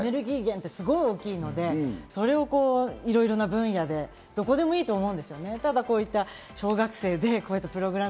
「好き」の原動力、エネルギー源ってすごく大きいので、それをいろいろな分野でどこでもいいと思うんですよね。